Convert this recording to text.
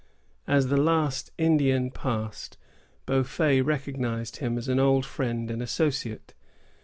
As the last Indian passed, Beaufait recognized him as an old friend and associate.